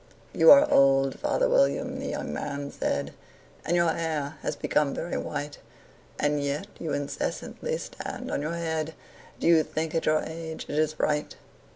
"YOU are old, father William," the young man said, "And your hair has become very white; And yet you incessantly stand on your head Do you think, at your age, it is right?